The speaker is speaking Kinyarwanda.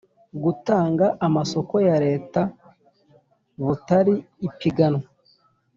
gutanga amasoko ya Leta butari ipiganwa